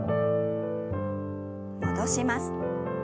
戻します。